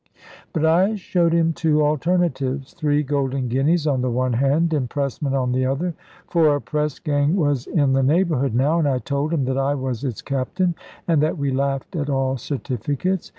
But I showed him two alternatives, three golden guineas on the one hand, impressment on the other; for a press gang was in the neighbourhood now, and I told him that I was its captain, and that we laughed at all certificates.